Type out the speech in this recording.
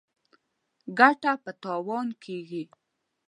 ګټه په تاوان کېږي.